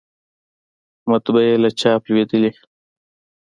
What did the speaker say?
مطبعې له چاپ لویدلې